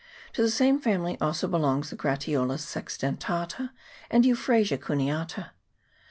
To the same family also belong the Gratiola sexdentata and Euphrasia cuneata.